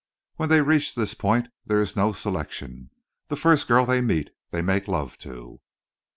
When they reach this point there is no selection. The first girl they meet they make love to.